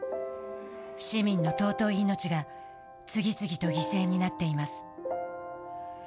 市民の尊い命が次々と犠牲になっています。